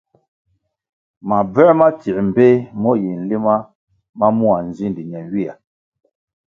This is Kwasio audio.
Mabvē ma tsiē mbpeh mo yi nlima ma mua nzindi nenywihya.